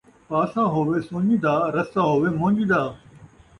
پاسا ہووے سُنڄ دا، رسہ ہووے منڄ دا